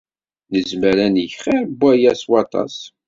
Nezmer ad neg xir n waya s waṭas.